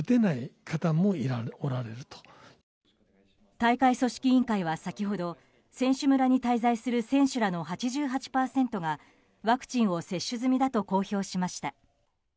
大会組織委員会は先ほど選手村に滞在する選手らの８８％がワクチンを接種済みだと公表しました。